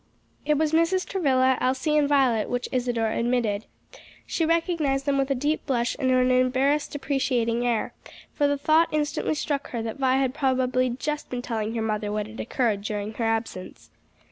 It was Mrs. Travilla, Elsie and Violet whom Isadore admitted. She recognized them with a deep blush and an embarrassed, deprecating air; for the thought instantly struck her that Vi had probably just been telling her mother what had occurred during her absence.